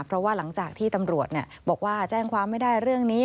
เพราะว่าหลังจากที่ตำรวจบอกว่าแจ้งความไม่ได้เรื่องนี้